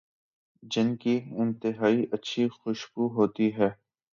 جن کی انتہائی اچھی خوشبو ہوتی ہے